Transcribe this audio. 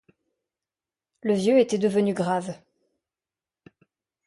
Le vieux était devenu grave.